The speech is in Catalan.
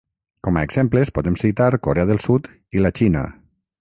Com a exemples podem citar Corea del Sud i la Xina.